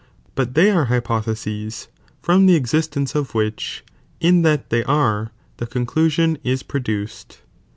But tliey are hypotheses, from the existence of which, in that they are, the conclusion is produced.